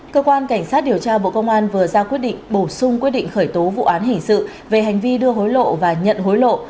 cơ quan cảnh sát điều tra bộ công an vừa ra quyết định bổ sung quyết định khởi tố vụ án hình sự về hành vi đưa hối lộ và nhận hối lộ